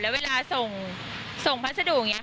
แล้วเวลาส่งพัสดุอย่างนี้